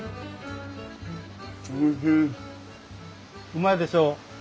うまいでしょ？